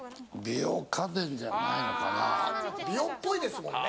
美容っぽいですもんね。